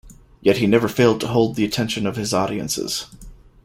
Yet he never failed to hold the attention of his audiences.